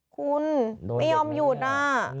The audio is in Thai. คุณไม่ยอมหยุดน่ะ